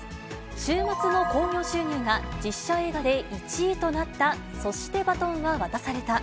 週末の興行収入が実写映画で１位となった、そして、バトンは渡された。